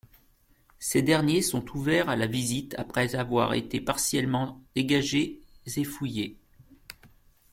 Ces derniers sont ouverts à la visite après avoir été partiellement dégagés et fouillés.